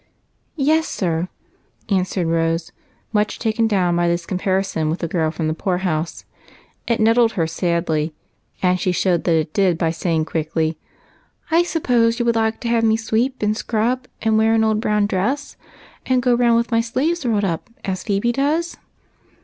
"Yes, sir," answered Rose, much taken down by this comparison with the girl from the poor house. It nettled her sadly, and she showed that it did by saying quickly,— " I suj^pose you would like to have me sweep and scrub, and wear an old brown dress, and go round with my sleeves rolled up, as Phebe does